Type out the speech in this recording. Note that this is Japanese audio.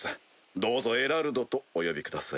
どうぞエラルドとお呼びください。